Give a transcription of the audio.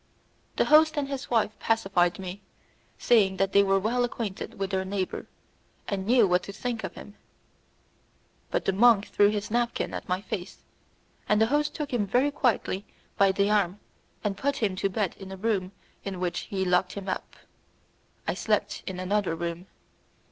The host and his wife pacified me, saying that they were well acquainted with their neighbour, and knew what to think of him; but the monk threw his napkin at my face, and the host took him very quietly by the arm and put him to bed in a room in which he locked him up. I slept in another room.